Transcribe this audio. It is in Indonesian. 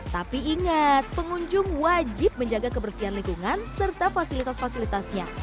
tapi ingat pengunjung wajib menjaga kebersihan lingkungan serta fasilitas fasilitasnya